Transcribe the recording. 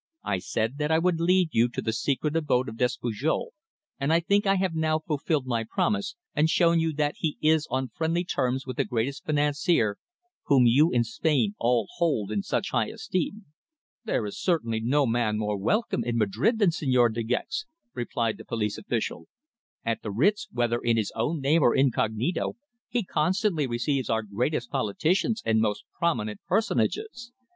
"I said that I would lead you to the secret abode of Despujol, and I think I have now fulfilled my promise, and shown you that he is on friendly terms with the great financier whom you in Spain all hold in such high esteem." "There is certainly no man more welcome in Madrid than Señor De Gex," replied the police official. "At the Ritz, whether in his own name or incognito, he constantly receives our greatest politicians and most prominent personages.